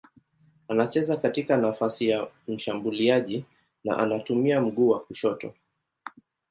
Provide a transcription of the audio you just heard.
Anacheza katika nafasi ya mshambuliaji na anatumia mguu wa kushoto.